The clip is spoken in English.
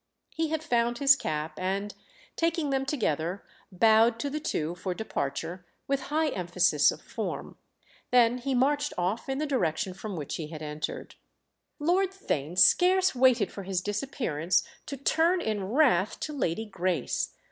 He had found his cap and, taking them together, bowed to the two, for departure, with high emphasis of form. Then he marched off in the direction from which he had entered. Lord Theign scarce waited for his disappearance to turn in wrath to Lady Grace.